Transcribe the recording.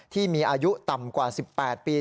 ที่มีอายุต่ำกว่า๑๘ปี